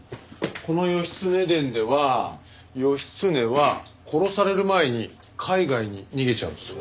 この『義経伝』では義経は殺される前に海外に逃げちゃうんです。